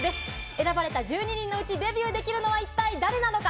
選ばれた１２人のうち、デビューできるのは一体、誰なのか。